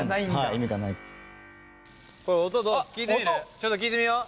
ちょっと聞いてみよう。